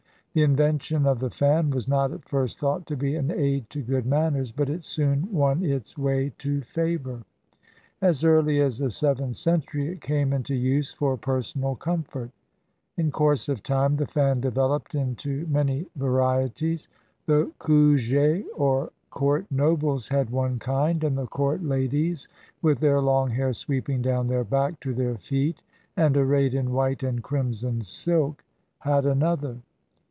The invention of the fan was not at first thought to be an aid to good manners, but it soon won its way to favor. As early as the seventh century it came into use for personal com fort. In course of time the fan developed into many va rieties. The kuge, or court nobles, had one kind, and the court ladies, with their long hair sweeping down their back to their feet and arrayed in white and crimson silk, had another.